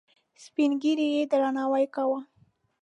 سپین ږیرو یې درناوی کاوه.